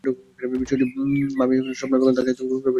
শিশুটির মামি স্বপ্না বেগম তাকে খুন করেছে বলে পরিবার অভিযোগ করেছে।